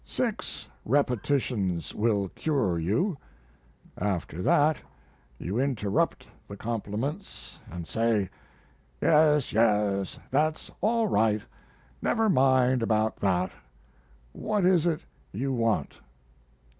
Six repetitions will cure you. After that you interrupt the compliments and say, "Yes, yes, that's all right; never mind about that. What is it you want?"